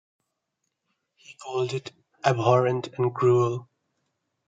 He called it "abhorrent" and "cruel.